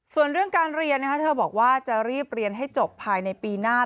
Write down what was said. ส่วนเรื่องการเรียนเธอบอกว่าจะรีบเรียนให้จบภายในปีหน้า